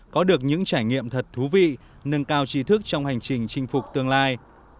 có được những trải nghiệm thật thú vị nâng cao trí thức trong hành trình chinh phục tương lai